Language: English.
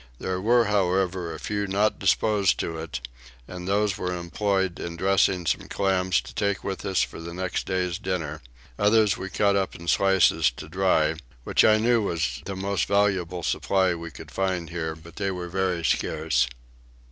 There were however a few not disposed to it, and those were employed in dressing some clams to take with us for the next day's dinner: others we cut up in slices to dry, which I knew was the most valuable supply we could find here, but they were very scarce.